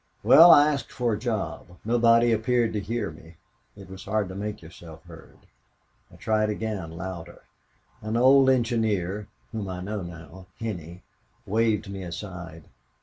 Well, I asked for a job. Nobody appeared to hear me. It was hard to make yourself heard. I tried again louder. An old engineer, whom I know now Henney waved me aside.